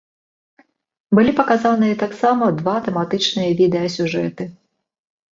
Былі паказаныя таксама два тэматычныя відэасюжэты.